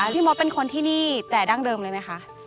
พี่มดเป็นคนที่นี่แต่ดั้งเดิมเลยไหมคะ